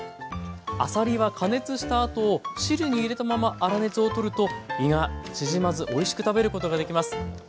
あさりは加熱したあと汁に入れたまま粗熱を取ると身が縮まずおいしく食べることができます。